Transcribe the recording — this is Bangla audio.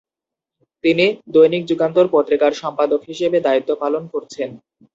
তিনি দৈনিক যুগান্তর পত্রিকার সম্পাদক হিসেবে দায়িত্ব পালন করছেন।